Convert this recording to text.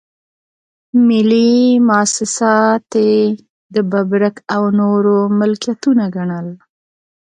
ملي مواسسات یې د ببرک او نورو ملکيتونه ګڼل.